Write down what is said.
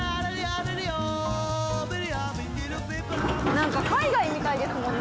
なんか海外みたいですもんね